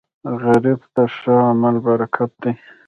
غریب ته ښه عمل برکت دی